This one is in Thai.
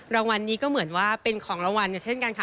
รางวัลนี้ก็เหมือนว่าเป็นของรางวัลเช่นกันค่ะ